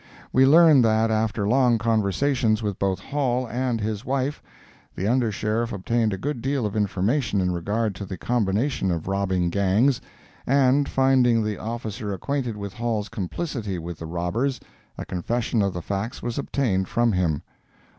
We learn that after long conversations with both Hall and his wife, the Under Sheriff obtained a good deal of information in regard to the combination of robbing gangs, and finding the officer acquainted with Hall's complicity with the robbers, a confession of the facts was obtained from him.